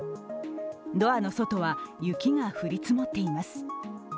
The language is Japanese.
ドアの外は雪が降り積もっています。